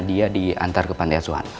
dia diantar ke pantai asuhan